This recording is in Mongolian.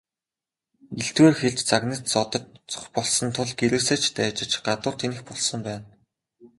Элдвээр хэлж, загнаж зодох болсон тул гэрээсээ ч дайжиж гадуур тэнэх болсон байна.